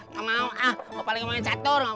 enggak mau ah bapak lagi main catur